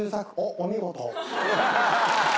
お見事。